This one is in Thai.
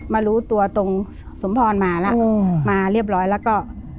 รู้ตัวตรงสมพรมาแล้วมาเรียบร้อยแล้วก็